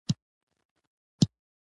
با انګیزه او متفق ولس ګټل کیږي.